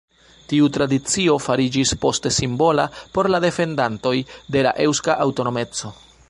Tiu tradicio fariĝis poste simbola por la defendantoj de la eŭska aŭtonomeco.